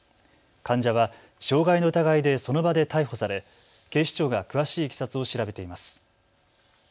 患者は傷害の疑いでその場で逮捕され警視庁が詳しいいきさつを調べています。